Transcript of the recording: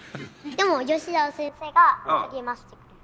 でもヨシザワ先生が励ましてくれる。